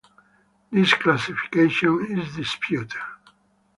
This classification is disputed.